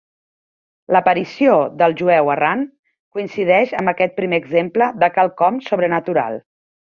L'aparició del jueu errant coincideix amb aquest primer exemple de quelcom sobrenatural.